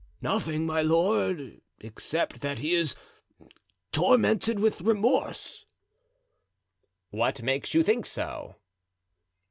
"Nothing, my lord, except that he is tormented with remorse." "What makes you think so?"